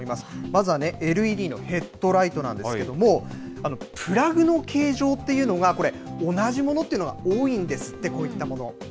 まずはね、ＬＥＤのヘッドライトなんですけれども、プラグの形状というのがこれ、同じものというのが多いんですって、こういったもの。